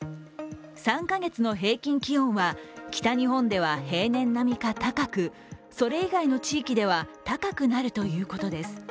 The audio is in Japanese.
３か月の平均気温は北日本では平年並みか高くそれ以外の地域では高くなるということです。